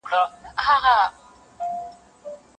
د رقیب دي زړه را سوړ کی زړه دي وچوه اسمانه